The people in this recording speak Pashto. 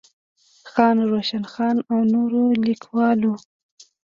خان روشن خان او نورو ليکوالو